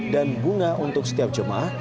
dan bunga untuk setiap jemaah